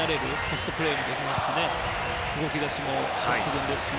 ポストプレーもできますし動き出しも抜群ですし。